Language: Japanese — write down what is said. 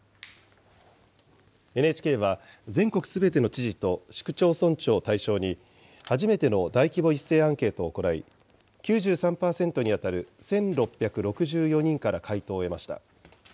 ＮＨＫは、全国すべての知事と市区町村長を対象に、初めての大規模一斉アンケートを行い、９３％に当たる１６６４人から回答を得ました。